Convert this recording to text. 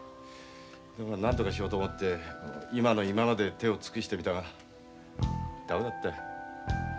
でもなんとかしようと思って今の今まで手を尽くしてみたがダメだった。